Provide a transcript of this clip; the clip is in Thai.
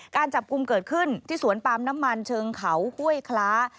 การจับกลุ่มเกิดขึ้นที่สวนปาล์มน้ำมันเชิงเขาห้วยคล้า